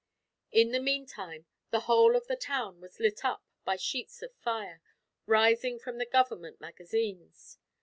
In the meantime, the whole of the town was lit up by sheets of fire, rising from the government magazines.